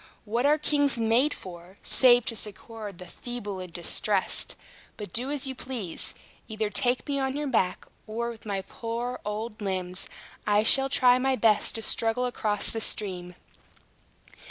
What are kings made for, save to succor the feeble and distressed? But do as you please. Either take me on your back, or with my poor old limbs I shall try my best to struggle across the stream."